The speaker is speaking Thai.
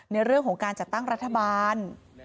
ในเรื่องของการจัดตั้งรัฐบาล